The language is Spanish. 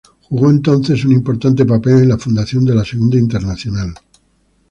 Jugó entonces un importante papel en la fundación de la Segunda Internacional.